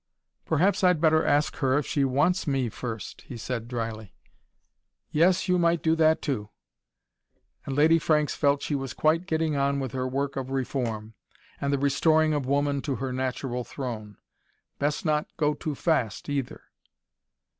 "Perhaps I'd better ask her if she wants me, first," he said drily. "Yes, you might do that, too." And Lady Franks felt she was quite getting on with her work of reform, and the restoring of woman to her natural throne. Best not go too fast, either.